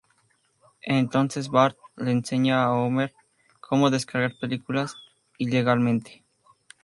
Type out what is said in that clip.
Entonces, Bart le enseña a Homer como descargar películas ilegalmente.